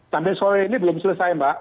sampai sore ini belum selesai mbak